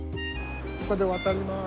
ここで渡ります。